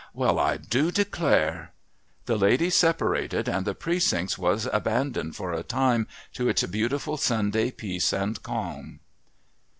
"Well, I do declare." The ladies separated, and the Precincts was abandoned for a time to its beautiful Sunday peace and calm.